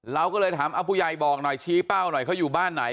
เราก็เลยถามเอาผู้ใหญ่บอกหน่อยชี้เป้าหน่อยเขาอยู่บ้านไหน